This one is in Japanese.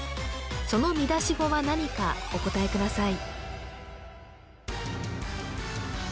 その見出し語は何かお答えください